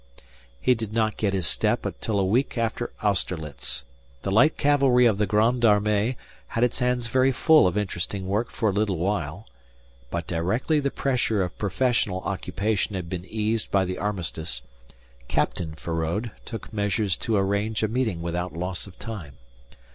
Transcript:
He did not get his step till a week after Austerlitz. The light cavalry of the Grande Armée had its hands very full of interesting work for a little while. But directly the pressure of professional occupation had been eased by the armistice, Captain Feraud took measures to arrange a meeting without loss of time.